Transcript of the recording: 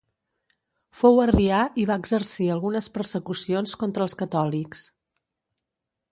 Fou arrià i va exercir algunes persecucions contra els catòlics.